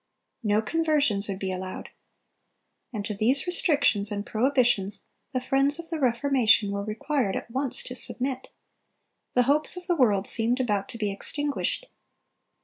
No conversions would be allowed. And to these restrictions and prohibitions the friends of the Reformation were required at once to submit. The hopes of the world seemed about to be extinguished.